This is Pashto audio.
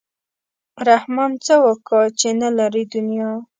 رحمان څه وکا چې نه لري دنیا.